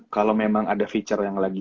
kalo memang ada fitur yang lagi